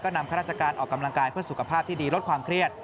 นำข้าราชการออกกำลังกายเพื่อสุขภาพที่ดีลดความเครียด